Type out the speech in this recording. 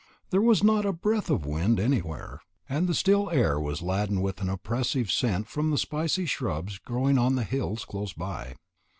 There was not a breath of wind anywhere, and the still air was laden with an oppressive scent from the spicy shrubs growing on the hills close by.